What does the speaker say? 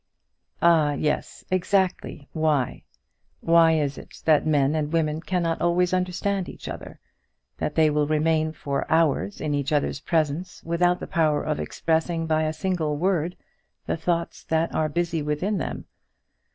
"Ah, yes, exactly; why? Why is it that men and women cannot always understand each other; that they will remain for hours in each other's presence without the power of expressing, by a single word, the thoughts that are busy within them?